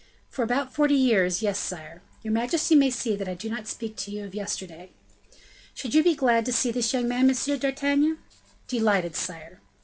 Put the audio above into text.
"For about forty years; yes, sire. Your majesty may see that I do not speak to you of yesterday." "Should you be glad to see this young man, M. d'Artagnan?" "Delighted, sire."